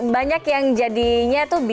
banyak yang jadinya